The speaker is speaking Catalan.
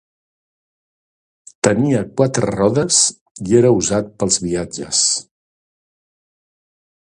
Tenia quatre rodes i era usat pels viatges.